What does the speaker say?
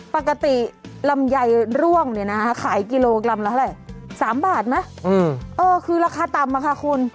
ปกติลำไยเรื่องขายกิโลกรัมทั้งสามบาทราคาต่ำค่ะคุณ